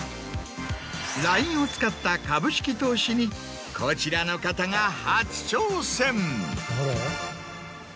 ＬＩＮＥを使った株式投資にこちらの方が初挑戦。